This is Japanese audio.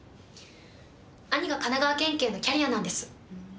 兄が神奈川県警のキャリアなんです。